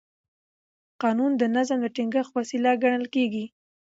قانون د نظم د ټینګښت وسیله ګڼل کېږي.